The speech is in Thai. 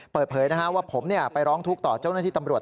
เปิดเผยว่าผมไปร้องทุกข์ต่อเจ้าหน้าที่ตำรวจ